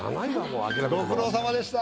ご苦労さまでした。